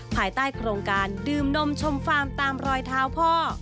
ภายใต้โครงการดื่มนมชมฟาร์มตามรอยเท้าพ่อ